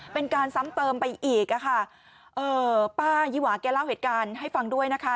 เป็นการซ้ำเติมไปอีกอ่ะค่ะเอ่อป้ายิวาแกเล่าเหตุการณ์ให้ฟังด้วยนะคะ